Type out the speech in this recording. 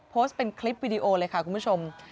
โพสต์เป็นคลิปวิดีโอเลยค่ะคุณผู้ชม